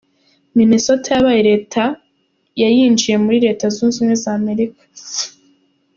Minnesota yabaye Leta ya yinjiye muri Leta zunze ubumwe za Amerika.